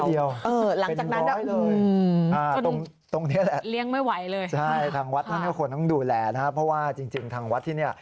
คู่เดียวเป็นร้อยเลยตรงนี้แหละทางวัดทั้งนี้คนต้องดูแลนะครับเพราะว่าจริงทางวัดที่นี่